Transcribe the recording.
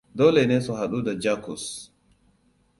Dole ne su hadu da Jacques.